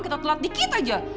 kita telat dikit aja